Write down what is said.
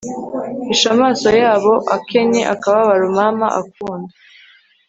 hisha amaso yabo akennye akababaro mama akunda